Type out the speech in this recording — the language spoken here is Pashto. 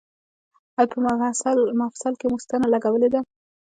ایا په مفصل کې مو ستنه لګولې ده؟